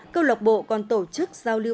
câu lạc bộ còn tổ chức giao lưu